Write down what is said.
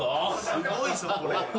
すごいっすねこれ。